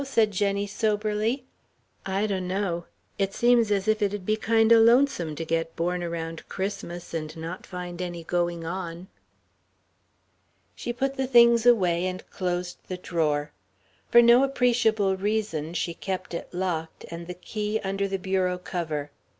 said Jenny, soberly. "I donno. It seems as if it'd be kind o' lonesome to get born around Christmas and not find any going on." She put the things away, and closed the drawer. For no appreciable reason, she kept it locked, and the key under the bureau cover.